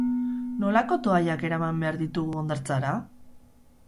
Nolako toallak eraman behar ditugu hondartzara?